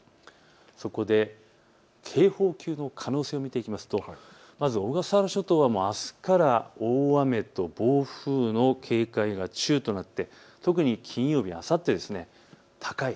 そこで警報級の可能性を見ていきますと、まず小笠原諸島はあすから大雨と暴風の警戒が中となって特に金曜日、あさって高い。